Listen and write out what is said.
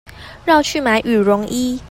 繞去買羽絨衣